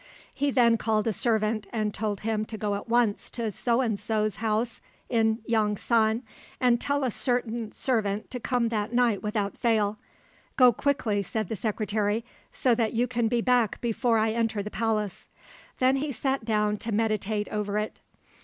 He then called a servant and told him to go at once to So and So's house in Yong san, and tell a certain servant to come that night without fail. "Go quickly," said the secretary, "so that you can be back before I enter the Palace." Then he sat down to meditate over it.